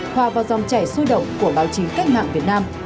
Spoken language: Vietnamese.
hòa vào dòng chảy xuôi động của báo chí cách mạng việt nam